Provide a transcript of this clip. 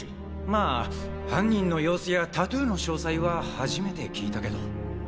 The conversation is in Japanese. まあ犯人の様子やタトゥーの詳細は初めて聞いたけど。